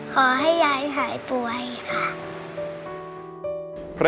ขอให้ยายหายป่วยค่ะ